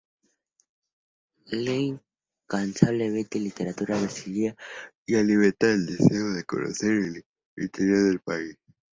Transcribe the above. Lee incansablemente literatura brasileña y alimenta el deseo de conocer el interior del país.